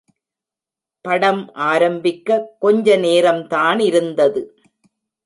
படம் ஆரம்பிக்க கொஞ்ச நேரம் தானிருந்தது.